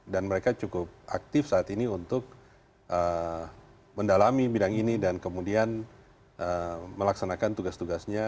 dan mereka cukup aktif saat ini untuk mendalami bidang ini dan kemudian melaksanakan tugas tugasnya